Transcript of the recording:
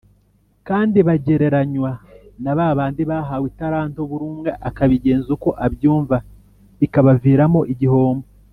Kandi bagereranywa na ba bandi bahawe italano buri umwe akabigenza uko abyumva bikabaviramo igihombo